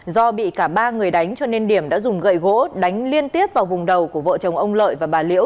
do bị cả ba người đánh cho nên điểm đã dùng gậy gỗ đánh liên tiếp vào vùng đầu của vợ chồng ông lợi và bà liễu